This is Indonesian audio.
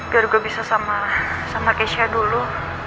biar gue bisa sama keisha dulu